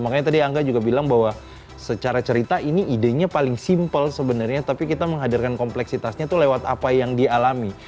makanya tadi angga juga bilang bahwa secara cerita ini idenya paling simpel sebenarnya tapi kita menghadirkan kompleksitasnya itu lewat apa yang dia alami